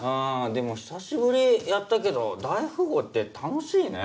でも久しぶりにやったけど大富豪って楽しいね。